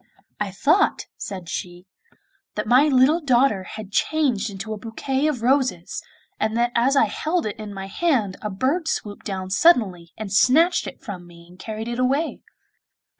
'I thought,' said she, 'that my little daughter had changed into a bouquet of roses, and that as I held it in my hand a bird swooped down suddenly and snatched it from me and carried it away.